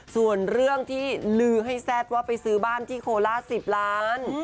ส่วนเรื่องที่ลือให้แซ่ดว่าไปซื้อบ้านที่โคลาส๑๐ล้าน